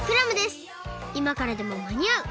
「いまからでもまにあう！